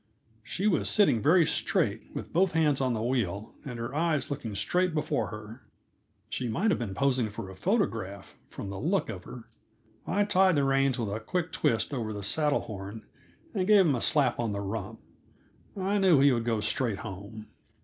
She was sitting very straight, with both hands on the wheel and her eyes looking straight before her. She might have been posing for a photograph, from the look of her. I tied the reins with a quick twist over the saddle horn and gave him a slap on the rump. I knew he would go straight home.